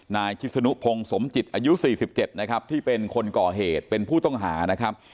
นายชิศนุพงศ์สมจิตอายุ๔๗นะครับที่เป็นคนก่อเหตุเป็นผู้ต้องหานะครับ